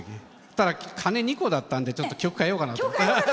ただ、鐘２個だったんでちょっと曲、変えようかなって。